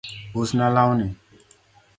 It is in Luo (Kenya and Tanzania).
Us na lawni